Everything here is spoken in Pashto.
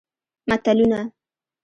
متلونه